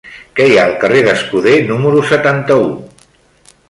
Què hi ha al carrer d'Escuder número setanta-u?